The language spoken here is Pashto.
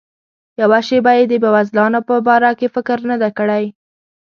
یوه شیبه یې د بېوزلانو په باره کې فکر نه دی کړی.